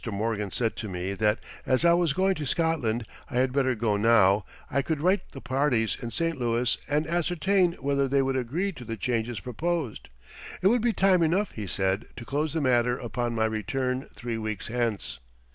Morgan said to me that as I was going to Scotland I had better go now; I could write the parties in St. Louis and ascertain whether they would agree to the changes proposed. It would be time enough, he said, to close the matter upon my return three weeks hence.